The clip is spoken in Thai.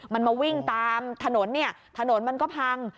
มันมาวิ่งตามถนนเนี่ยถนนมันก็พัง